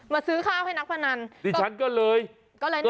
แบบนี้คือแบบนี้คือแบบนี้คือแบบนี้คือ